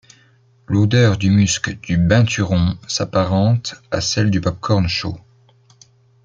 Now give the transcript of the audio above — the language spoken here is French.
L'odeur du musc du binturong s'apparente à celle du pop-corn chaud.